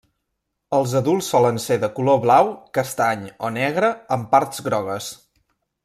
Els adults solen ser de color blau, castany o negre amb parts grogues.